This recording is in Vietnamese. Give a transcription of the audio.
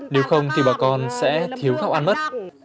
nếu không thì bà con sẽ thiếu thức ăn mất